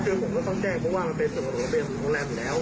คือผมก็ต้องแกล้งฟังว่าก็จะเป็นประโยชน์โรงแรมอยู่แล้ว